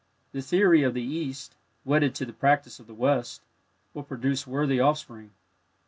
The theory of the East, wedded to the practice of the West, will produce worthy offspring.